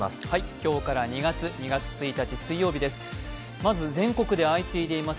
今日から２月、２月１日水曜日です。